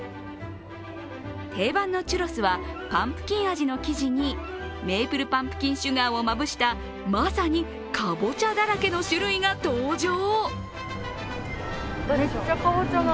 定番のチュロスはパンプキン味の生地にメイプルパンプキンシュガーをまぶしたまさにカボチャだらけの種類が登場。